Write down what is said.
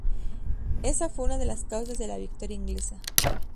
Esa fue una de las causas de la victoria inglesa.